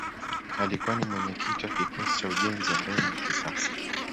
alikuwa ni mwenyekiti wa kikosi cha ujenzi wa reli ya kisasa